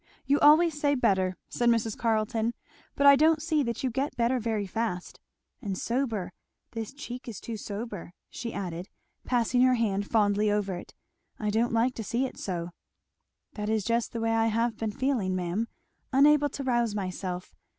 you always say 'better'," said Mrs. Carleton; "but I don't see that you get better very fast. And sober; this cheek is too sober," she added, passing her hand fondly over it; "I don't like to see it so." "That is just the way I have been feeling, ma'am unable to rouse myself.